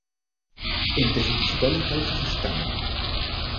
Entre sus principales causas están